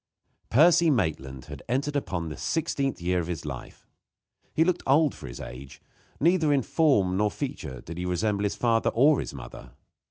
Percy Maitland had entered upon the sixteenth year of his life. He looked old for his age. Neither in form nor in feature did he resemble his father or his mother.